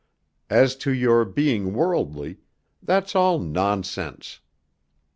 As to your being worldly, that's all nonsense."